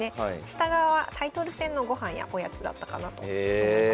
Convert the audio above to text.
下側はタイトル戦の御飯やおやつだったかなと思います。